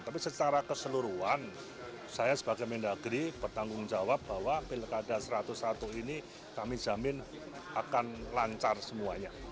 tapi secara keseluruhan saya sebagai mendagri bertanggung jawab bahwa pilkada satu ratus satu ini kami jamin akan lancar semuanya